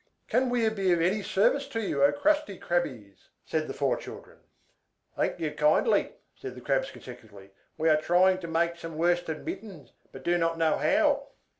"Can we be of any service to you, O crusty Crabbies?" said the four children. "Thank you kindly," said the Crabs consecutively. "We are trying to make some worsted mittens, but do not know how."